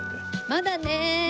まだね。